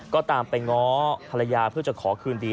ก็ตามไปง้อภรรยาเพื่อจะขอคืนดี